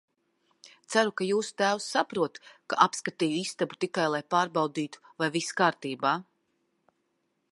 Ceru, ka jūsu tēvs saprot, ka apskatīju istabu tikai, lai pārbaudītu, vai viss kārtībā.